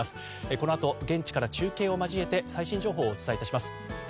このあと現地から中継を交えて最新情報をお伝えいたします。